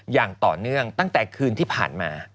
อย่างต่อเนื่องตั้งแต่คืนที่ผ่านมา